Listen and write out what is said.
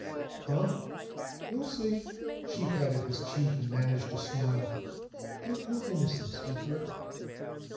"Huh?" "You'll see." She patted his cheek and managed a smile. "You're too innocent, sweetheart."